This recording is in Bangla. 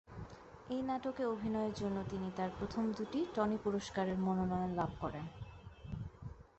এই নাটকে অভিনয়ের জন্য তিনি তার প্রথম দুটি টনি পুরস্কারের মনোনয়ন লাভ করেন।